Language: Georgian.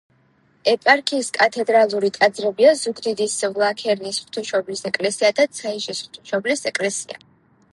ეპარქიის კათედრალური ტაძრებია ზუგდიდის ვლაქერნის ღვთისმშობლის ეკლესია და ცაიშის ღვთისმშობლის ეკლესია.